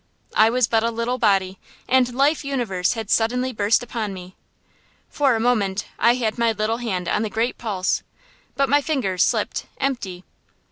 I was but a little body, and Life Universal had suddenly burst upon me. For a moment I had my little hand on the Great Pulse, but my fingers slipped, empty.